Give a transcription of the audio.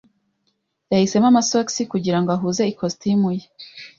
Yahisemo amasogisi kugirango ahuze ikositimu ye.